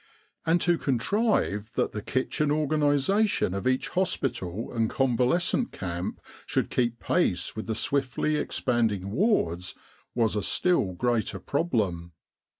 And to contrive thai the kitchen organisation of each hospital and convalescent camp should keep pace with the swiftly expanding wards was a still greater problem.